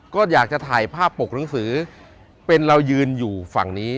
ก็อยากจะถ่ายภาพปกหนังสือเป็นเรายืนอยู่ฝั่งนี้